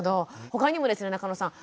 ほかにもですね中野さん